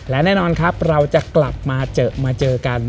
และแน่นอนครับเราจะกลับมาเจอมาเจอกัน